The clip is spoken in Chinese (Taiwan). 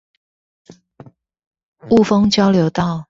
霧峰交流道